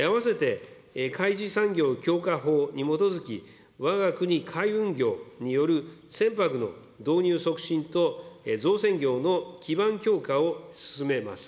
あわせてかいじ産業強化法に基づき、わが国海運業による船舶の導入促進と造船業の基盤強化を進めます。